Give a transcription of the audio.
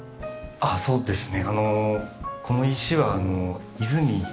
ああそうですか。